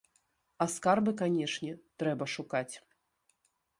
А скарбы, канечне, трэба шукаць.